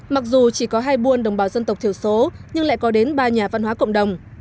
mặc dù chỉ có hai buôn đồng bào dân tộc thiểu số nhưng lại có đến ba nhà văn hóa cộng đồng